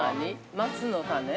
松の種？